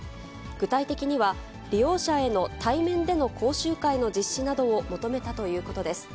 具体的には、利用者への対面での講習会の実施などを求めたということです。